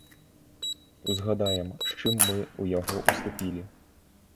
Узгадаем, з чым мы ў яго ўступілі.